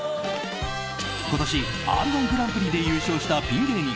今年「Ｒ‐１グランプリ」で優勝したピン芸人